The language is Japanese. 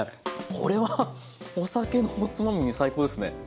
これはお酒のおつまみに最高ですね。